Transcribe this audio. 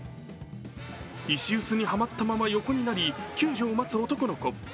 石臼にはまったまま横になり救助を待つ男の子。